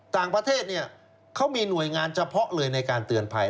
ต่างประเทศเขามีหน่วยงานเฉพาะเลยในการเตือนภัย